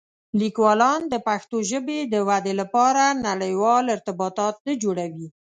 لیکوالان د پښتو ژبې د ودې لپاره نړيوال ارتباطات نه جوړوي.